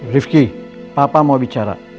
rifki papa mau bicara